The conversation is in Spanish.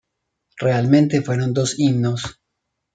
Realmente fueron dos himnos.